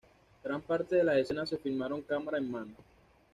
Gran parte de las escenas se filmaron cámara en mano.